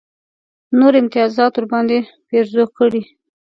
نور امتیازات ورباندې پېرزو کړي.